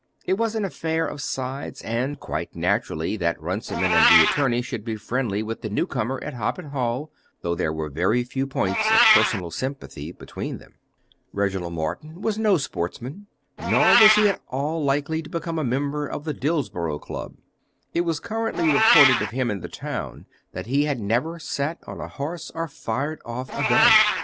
It was an affair of sides, and quite natural that Runciman and the attorney should be friendly with the new comer at Hoppet Hall, though there were very few points of personal sympathy between them. Reginald Morton was no sportsman, nor was he at all likely to become a member of the Dillsborough Club. It was currently reported of him in the town that he had never sat on a horse or fired off a gun.